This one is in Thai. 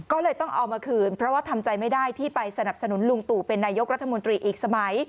ก็เลยต้องเอามาคืนเพราะว่าทำใจไม่ได้ที่ไปสนับสนุนลุงตู่เป็นนายกรัฐมนตรีอีกสมัย